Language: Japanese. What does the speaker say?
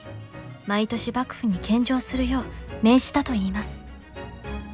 毎年幕府に献上するよう命じたといいます。